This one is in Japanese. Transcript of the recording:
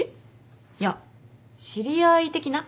いや知り合い的な。